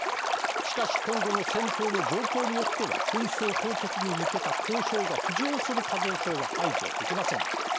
しかし今後の戦闘の状況によっては紛争凍結に向けた交渉が浮上する可能性は排除できません。